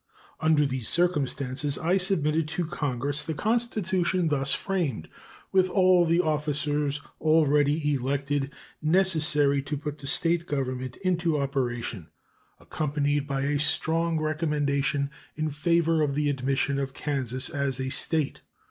Under these circumstances I submitted to Congress the constitution thus framed, with all the officers already elected necessary to put the State government into operation, accompanied by a strong recommendation in favor of the admission of Kansas as a State.